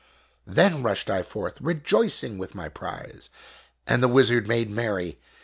Then rushed I forth rejoicing with my prize, and the wizard made merry.